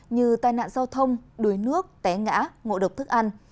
như tai nạn giao thông đuối nước té ngã ngộ độc thức ăn